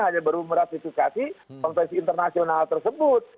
hanya baru meratifikasi konvensi internasional tersebut